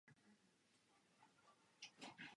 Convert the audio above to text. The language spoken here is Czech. Při tom kritizoval české sportovní novináře.